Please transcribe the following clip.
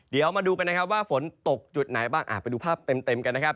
เดี๋ยวมาดูกันนะครับว่าฝนตกจุดไหนบ้างไปดูภาพเต็มกันนะครับ